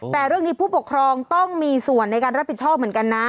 แต่เรื่องนี้ผู้ปกครองต้องมีส่วนในการรับผิดชอบเหมือนกันนะ